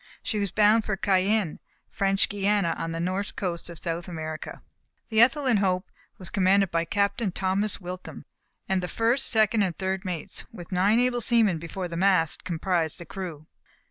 She was bound for Cayenne, French Guiana, on the north coast of South America. The Ethelyn Hope was commanded by Captain Thomas Witham; and the first, second and third mates, with nine able seamen before the mast comprised the crew.